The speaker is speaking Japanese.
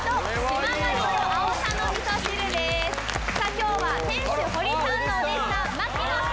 今日は店主堀さんのお弟子さん。